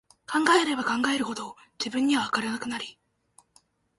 考えれば考えるほど、自分には、わからなくなり、